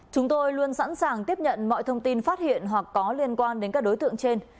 chúng tôi luôn sẵn sàng tiếp nhận mọi thông tin phát hiện hoặc có liên quan đến các đối tượng trên